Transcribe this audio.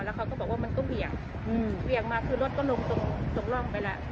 แล้วเขาก็บอกว่ามันก็เบี่ยงเบี่ยงมาคือรถก็ลงตรงตรงร่องไปแล้ว